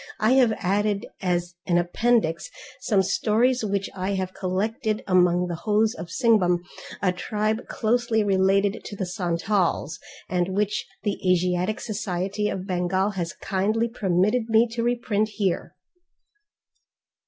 I have added as an appendix some stories which I collected among the Hos of Singhbhum, a tribe closely related to the Santals, and which the Asiatic Society of Bengal has kindly permitted me to reprint here.